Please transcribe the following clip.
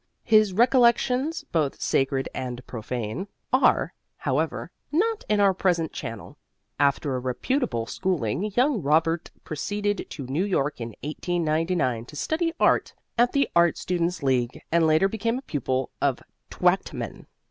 His recollections, both sacred and profane, are, however, not in our present channel. After a reputable schooling young Robert proceeded to New York in 1899 to study art at the Art Students' League, and later became a pupil of Twachtman.